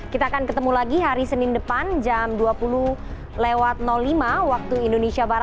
kita akan ketemu lagi hari senin depan jam dua puluh lima wib